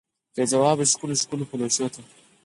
بې ځوابه ښکلو، ښکلو پلوشو ته